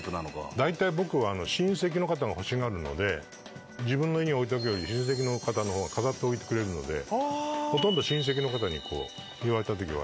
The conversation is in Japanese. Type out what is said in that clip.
大体、僕は親戚の方が欲しがるので、自分の家に置いとくより、親戚の方のほうが飾っておいてくれるので、ほとんど親戚の方に、言われたときは。